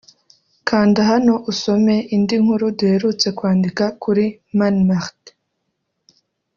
Kanda hano usome indi nkuru duherutse kwandika kuri Mani Martin